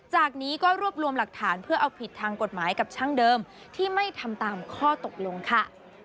จากนี้ก็รวบรวมหลักฐานเพื่อเอาผิดทางกฎหมายกับช่างเดิมที่ไม่ทำตามข้อตกลงค่ะ